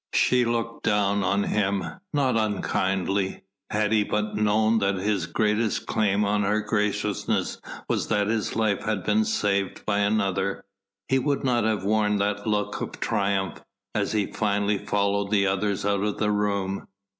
She looked down on him, not unkindly. Had he but known that his greatest claim on her graciousness was that his life had been saved by another, he would not have worn that look of triumph as he finally followed the others out of the room.